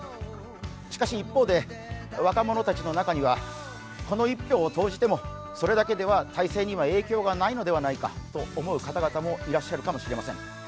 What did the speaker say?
しかし、一方で若者たちの中にはこの１票を投じても、それだけでは体制には影響がないのではないかと思う方もいらっしゃるかもしれません。